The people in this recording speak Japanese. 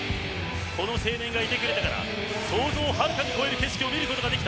この青年がいてくれたから想像をはるかに超える景色を見せてくれた。